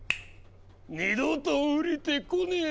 二度とおりてこねえ。